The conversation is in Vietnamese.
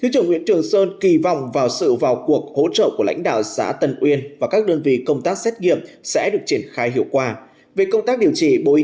chỉ trong một mươi hai giờ qua hà nội ghi nhận sáu mươi một ca mắc covid một mươi chín mới